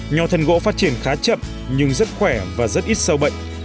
nhò thần gỗ phát triển khá chậm nhưng rất khỏe và rất ít sâu bệnh